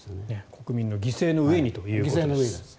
国民の犠牲の上にということです。